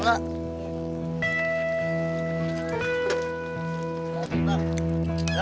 ya itu dia